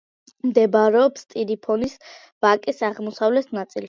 მდებარეობს ტირიფონის ვაკის აღმოსავლეთ ნაწილში.